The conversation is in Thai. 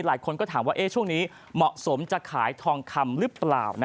หลายคนก็ถามว่าช่วงนี้เหมาะสมจะขายทองคำหรือเปล่า